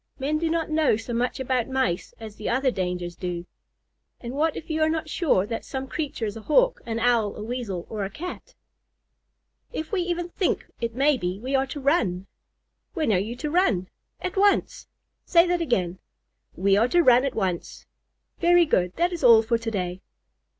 Men do not know so much about Mice as the other dangers do." "And what if you are not sure that some creature is a Hawk, an Owl, a Weasel, or a Cat?" "If we even think it may be, we are to run." "When are you to run?" "At once." "Say that again." "We are to run at once." "Very good. That is all for to day."